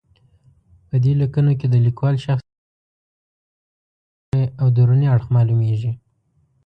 په دې لیکنو کې د لیکوال شخصیت، عقیده، لید لوری او دروني اړخ معلومېږي.